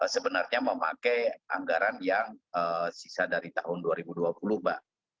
sebenarnya memakai anggaran yang sisa dari tahun dua ribu dua puluh mbak